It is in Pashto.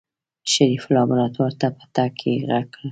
شريف لابراتوار ته په تګ کې غږ کړ.